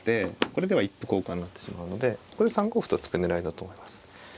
これでは一歩交換になってしまうのでここで３五歩と突く狙いだと思います。